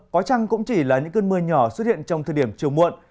có chăng cũng chỉ là những cơn mưa nhỏ xuất hiện trong thời điểm chiều muộn